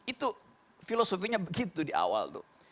itu filosofinya begitu di awal tuh